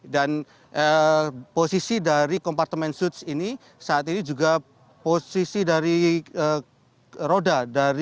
dan posisi dari kompartemen suits ini saat ini juga posisi dari roda